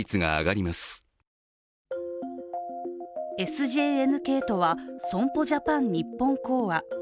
ＳＪＮＫとは、損保ジャパン日本興亜。